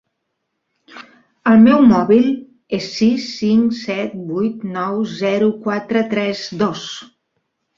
El meu mòbil és sis cinc set vuit nou zero quatre tres dos.